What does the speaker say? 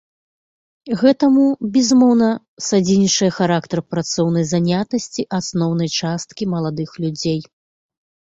Гэтаму, безумоўна, садзейнічае характар працоўнай занятасці асноўнай часткі маладых людзей.